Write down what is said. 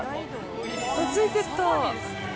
ついてった。